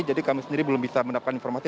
jadi kami sendiri belum bisa mendapatkan informasi